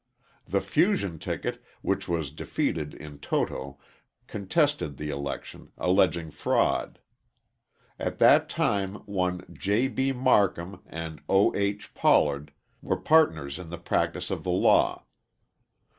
The fusion ticket, which was defeated in toto, contested the election, alleging fraud. At that time one J. B. Marcum and O. H. Pollard were partners in the practice of the law.